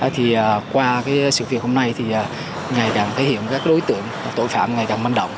thì qua sự việc hôm nay thì ngày càng thể hiện các đối tượng tội phạm ngày càng manh động